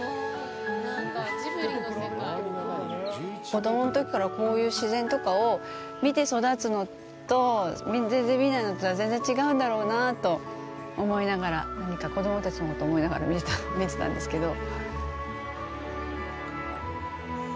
子供のときからこういう自然とかを見て育つのと全然見ないのとは全然違うんだろうなと思いながらなんか子供たちのこと思いながら見てたんですけど。